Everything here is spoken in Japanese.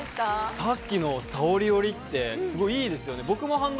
さっきのさをり織りってすごくいいですよね。